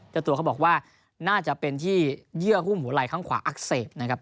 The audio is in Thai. เจ้าตัวเขาบอกว่าน่าจะเป็นที่เยื่อหุ้มหัวไหล่ข้างขวาอักเสบนะครับ